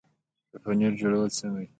د پنیر جوړول څنګه دي؟